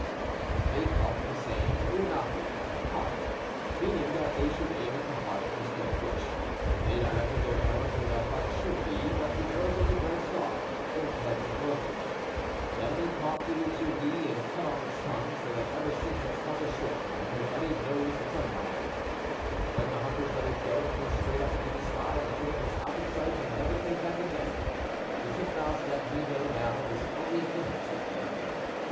They thought it was saying u'nahu', heart, meaning that they should aim at the heart of the stone witch. They directed their arrows where the heart should be, but the arrows only glanced off with the flint heads broken. Then they caught the Utsu'`gi and cut off its tongue, so that ever since its tongue is short and everybody knows it is a liar. When the hunters let it go it flew straight up into the sky until it was out of sight and never came back again. The titmouse that we know now is only an image of the other.